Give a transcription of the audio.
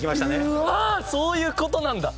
うわあそういう事なんだ！